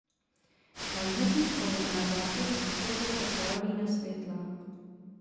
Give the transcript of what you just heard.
Na vzniku školy má zásluhu spisovatelka Karolina Světlá.